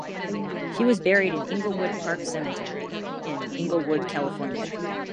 She was buried in Inglewood Park Cemetery in Inglewood, California.